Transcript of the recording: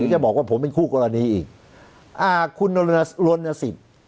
จะบอกว่าผมเป็นคู่กรณีอีกอ่าคุณลนสิทธิ์